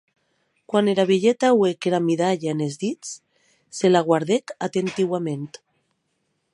Quan era vielheta auec era midalha enes dits, se la guardèc atentiuament.